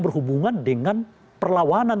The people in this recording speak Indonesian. berhubungan dengan perlawanan